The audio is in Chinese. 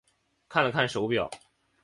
看了看手表